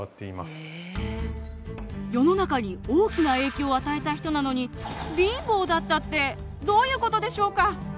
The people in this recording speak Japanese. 世の中に大きな影響を与えた人なのに貧乏だったってどういうことでしょうか？